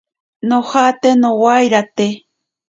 Nojate nowairate.